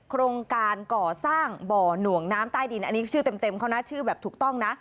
โครงการก่อสร้างบ่อหน่วงน้ำใต้ดินอันนี้ชื่อเต็มเขานะชื่อแบบถูกต้องนะ